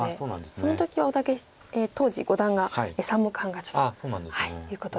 その時は大竹当時五段が３目半勝ちということで。